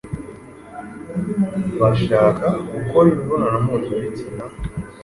bashaka gukora imibonano mpuzabitsina,